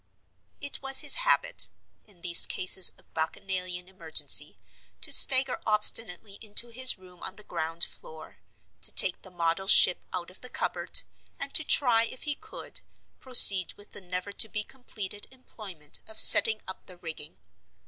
It was his habit, in these cases of Bacchanalian emergency, to stagger obstinately into his room on the ground floor, to take the model ship out of the cupboard, and to try if he could proceed with the never to be completed employment of setting up the rigging.